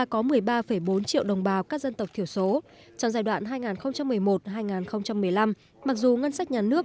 có một mươi ba bốn triệu đồng bào các dân tộc thiểu số trong giai đoạn hai nghìn một mươi một hai nghìn một mươi năm mặc dù ngân sách nhà nước